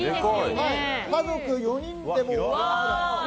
家族４人でも。